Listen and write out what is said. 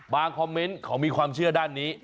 คอมเมนต์เขามีความเชื่อด้านนี้